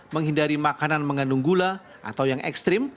menghindari makanan mengandung gula atau yang ekstrim